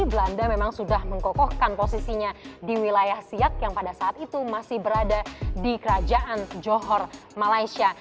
belanda memang sudah mengkokohkan posisinya di wilayah siak yang pada saat itu masih berada di kerajaan johor malaysia